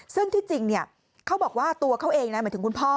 ซึ่งที่จริงเขาบอกว่าตัวเขาเองนะหมายถึงคุณพ่อ